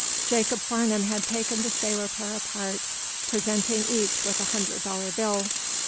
Jacob Farnum had taken the sailor pair apart, presenting each with a hundred dollar bill.